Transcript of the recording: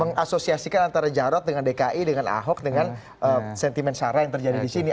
mengasosiasikan antara jarut dengan dki dengan ahok dengan sentimen sarah yang terjadi disini